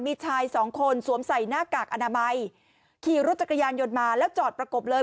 มีชายสองคนสวมใส่หน้ากากอนามัยขี่รถจักรยานยนต์มาแล้วจอดประกบเลย